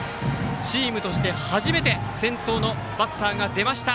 チームとして初めて先頭のバッターが出ました。